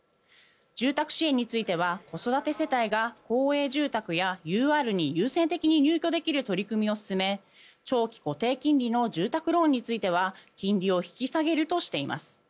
住宅支援については子育て世帯が公営住宅やＵＲに優先的に入居できる取り組みを進め長期固定金利の住宅ローンについては金利を引き下げるとしています。